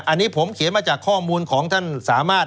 อันนี้ผมเขียนมาจากข้อมูลของท่านสามารถ